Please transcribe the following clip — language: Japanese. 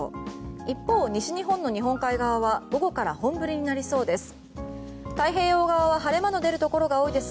一方、西日本の日本海側は午後から本降りになりそうです。